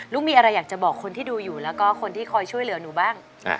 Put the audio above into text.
มีอะไรอยากจะบอกคนที่ดูอยู่แล้วก็คนที่คอยช่วยเหลือหนูบ้าง